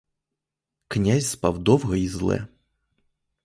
Князь спав довго й зле.